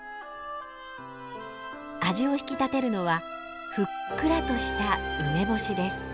味を引き立てるのはふっくらとした梅干しです。